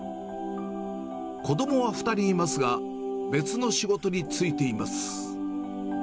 子どもは２人いますが、別の仕事に就いています。